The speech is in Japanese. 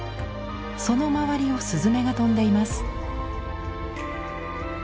その周りを雀が飛んでいます。